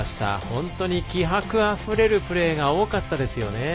本当に気迫あふれるプレーが多かったですよね。